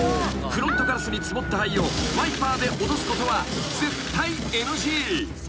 フロントガラスに積もった灰をワイパーで落とすことは絶対ＮＧ］